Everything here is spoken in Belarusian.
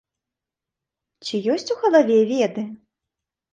Ці ёсць у галаве веды?